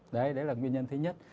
đấy đấy là nguyên nhân thứ nhất